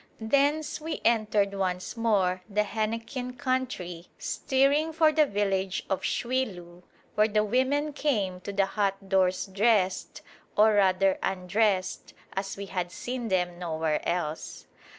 Thence we entered once more the henequen country, steering for the village of Xuilub (pronounced Schweeloo), where the women came to the hut doors dressed, or rather undressed, as we had seen them nowhere else.